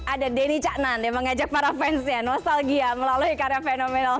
ada denny caknan yang mengajak para fansnya nostalgia melalui karya fenomenal